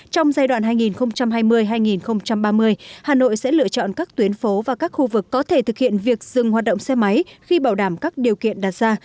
trong giai đoạn hai nghìn hai mươi hai nghìn ba mươi hà nội sẽ lựa chọn các tuyến phố và các khu vực có thể thực hiện việc dừng hoạt động xe máy khi bảo đảm các điều kiện đặt ra